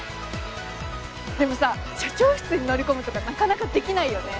でもさ社長室に乗り込むとかなかなかできないよね。